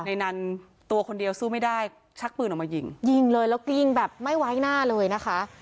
ในนั้นตัวคนเดียวสู้ไม่ได้ชักปืนออกมายิงยิงเลยแล้วกลิ้งแบบไม่ไว้หน้าเลยนะคะ